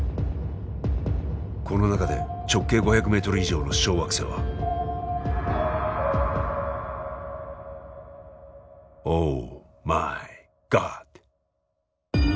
この中で直径５００ｍ以上の小惑星は。オーマイゴッド！